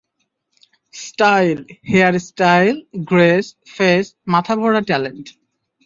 Style, hair style, grace, face, মাথা ভরা talent.